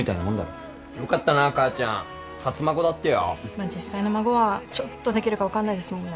まあ実際の孫はちょっとできるか分かんないですもんね。